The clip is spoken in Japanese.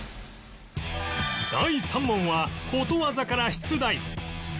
第３問はことわざから出題